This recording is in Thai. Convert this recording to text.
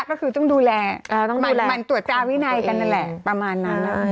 ก็คือต้องดูแลมันตรวจตาวินัยกันนั่นแหละประมาณนั้น